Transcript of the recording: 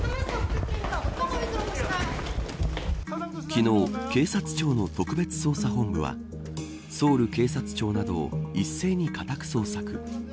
昨日、警察庁の特別捜査本部はソウル警察庁などを一斉に家宅捜索。